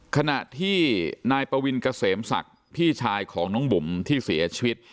ขณะที่นายปวินเกษมศักดิ์พี่ชายของน้องบุ๋มที่เสียชีวิต